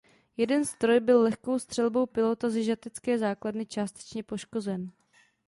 Jeden stroj byl lehkou střelbou pilota ze žatecké základny částečně poškozen.